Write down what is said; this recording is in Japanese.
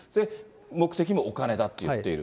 目的もお金だって言っている。